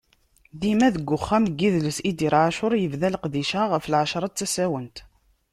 ddima deg Uxxam n yidles Idir Ɛacur, yebda leqdic-a, ɣef Lɛecṛa d tasawent.